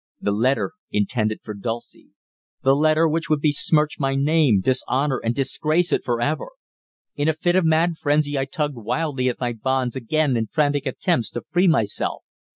The letter intended for Dulcie! The letter which would besmirch my name, dishonour and disgrace it for ever! In a fit of mad frenzy I tugged wildly at my bonds again in frantic attempts to free myself.